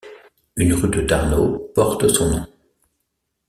Une rue de Tarnów porte son nom.